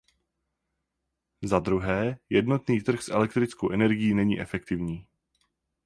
Zadruhé, jednotný trh s elektrickou energií není efektivní.